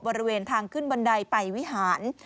บริเวณทางขึ้นบันไดไปวิหาร